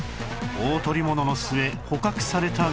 大捕物の末捕獲されたが